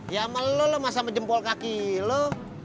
ya sama lo lo masih sama jempol kaki lu